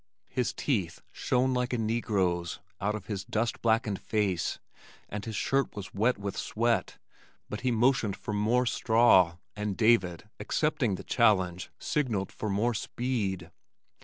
His teeth shone like a negro's out of his dust blackened face and his shirt was wet with sweat, but he motioned for "more straw" and David, accepting the challenge, signalled for more speed.